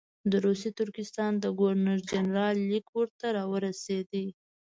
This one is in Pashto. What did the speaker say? د روسي ترکستان د ګورنر جنرال لیک ورته راورسېد.